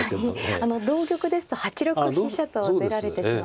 同玉ですと８六飛車と出られてしまうんですね。